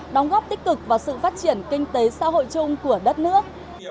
đóng góp tích cực vào sự phát triển kinh tế xã hội chung của đất nước